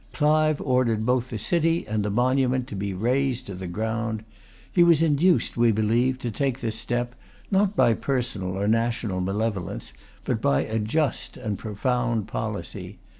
Clive ordered both the city and the monument to be razed to the ground. He was induced, we believe, to take this step, not by personal or national malevolence, but by a just and profound policy.